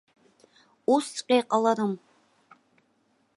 Усҵәҟьа иҟаларым.